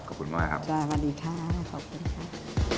ขอบคุณมากครับจ้ะสวัสดีค่ะขอบคุณครับ